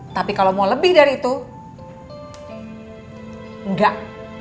tapi kalau mau lebih dari itu enggak